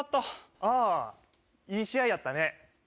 ああ、いい試合やったね。